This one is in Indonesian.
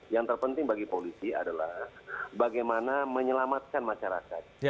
yang terpenting bagi polisi adalah bagaimana menyelamatkan masyarakat